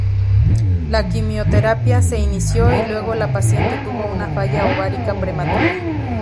La quimioterapia se inició y luego la paciente tuvo una falla ovárica prematura.